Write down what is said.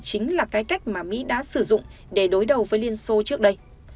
chính là cái cách mà mỹ đã sử dụng để đối đầu với liên xô trước đây